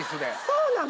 そうなの！